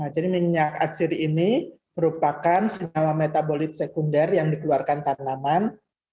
jadi minyak atsiri ini merupakan sebuah metabolit sekunder yang dikeluarkan tanaman